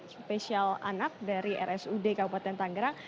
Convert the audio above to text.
spesial anak dari rsud kabupaten tanggerang